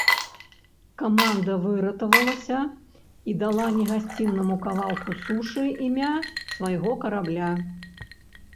Каманда выратавалася і дала негасціннаму кавалку сушы імя свайго карабля.